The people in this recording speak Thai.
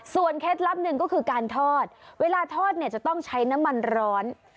เคล็ดลับหนึ่งก็คือการทอดเวลาทอดเนี่ยจะต้องใช้น้ำมันร้อน